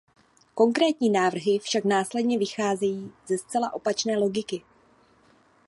Konkrétní návrhy však následně vycházejí ze zcela opačné logiky.